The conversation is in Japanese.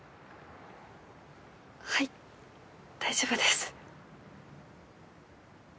はい大丈夫です。